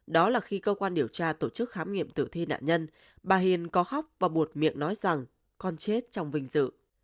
đó là khi cơ quan điều tra tổ chức khám nghiệm tử thi nạn nhân bà hiền có khóc và buộc miệng nói rằng con chết trong vinh dự